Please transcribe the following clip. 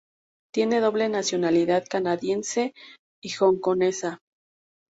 Tiene doble nacionalidad, canadiense y hongkonesa.